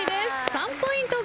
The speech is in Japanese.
３ポイント獲得。